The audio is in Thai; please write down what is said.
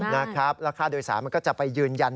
ราคาโดยสารมันก็จะไปยืนยัน